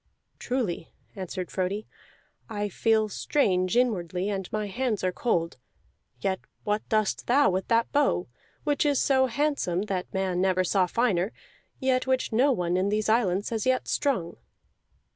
"Truly," answered Frodi, "I feel strange inwardly, and my hands are cold. Yet what dost thou with that bow, which is so handsome that man never saw finer, yet which no one in these islands has yet strung?"